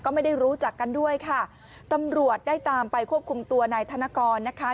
ก็ไม่ได้รู้จักกันด้วยค่ะตำรวจได้ตามไปควบคุมตัวนายธนกรนะคะ